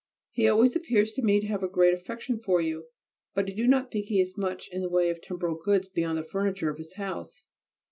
He always appears to me to have a great affection for you, but I do not think he has much in the way of temporal goods beyond the furniture of his house.